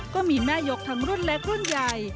ก็มีแม่ยกทั้งรุ่นเล็กรุ่นใหญ่